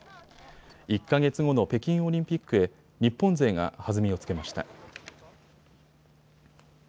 １か月後の北京オリンピックへ日本勢が弾みをつけました。